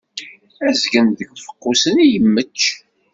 Azgen seg ufeqqus-nni yemmecc.